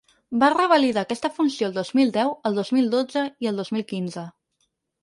Va revalidar aquesta funció el dos mil deu, el dos mil dotze i el dos mil quinze.